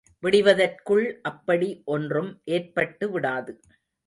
விடிவதற்குள் அப்படி ஒன்றும் ஏற்பட்டுவிடாது.